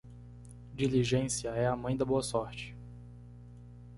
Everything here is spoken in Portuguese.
Diligência é a mãe da boa sorte.